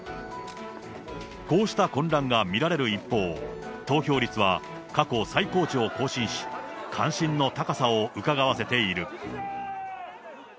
こうした混乱が見られる一方、投票率は過去最高値を更新し、関心の高さをうかがわせている。